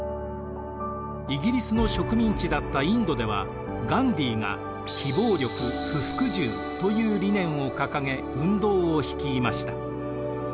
イギリスの植民地だったインドではガンディーが非暴力・不服従という理念を掲げ運動を率いました。